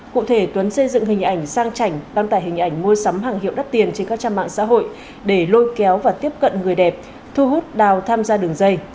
cụ thể tuấn xây dựng hình ảnh sang chảnh đăng tải hình ảnh mua sắm hàng hiệu đắt tiền trên các trang mạng xã hội để lôi kéo và tiếp cận người đẹp thu hút đào tham gia đường dây